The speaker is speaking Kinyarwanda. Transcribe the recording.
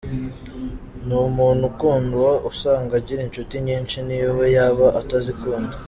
Ni umuntu ukundwa, usanga agira inshuti nyinshi n’iyo we yaba atazikunda.